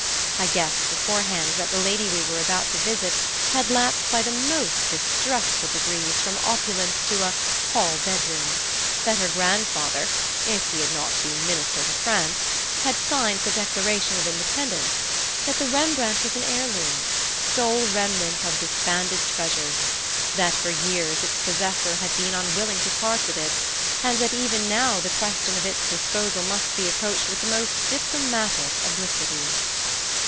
I guessed beforehand that the lady we were about to visit had lapsed by the most distressful degrees from opulence to a "hall bedroom"; that her grandfather, if he had not been Minister to France, had signed the Declaration of Independence; that the Rembrandt was an heirloom, sole remnant of disbanded treasures; that for years its possessor had been unwilling to part with it, and that even now the question of its disposal must be approached with the most diplomatic obliquity.